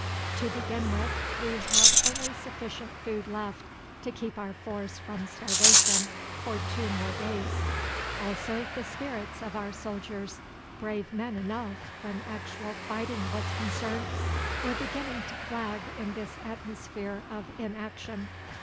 To begin with, we had only sufficient food left to keep our force from starvation for two more days. Also the spirits of our soldiers, brave men enough when actual fighting was concerned, were beginning to flag in this atmosphere of inaction.